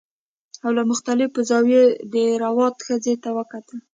او له مختلفو زاویو یې د روات ښځې ته وکتل